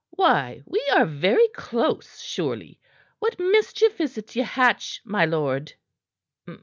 "Why, we are very close, surely! What mischief is't ye hatch, my lord?"'